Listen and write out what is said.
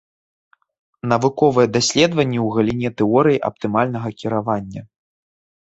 Навуковыя даследаванні ў галіне тэорыі аптымальнага кіравання.